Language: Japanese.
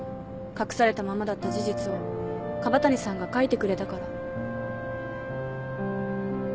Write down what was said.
隠されたままだった事実を椛谷さんが書いてくれたから。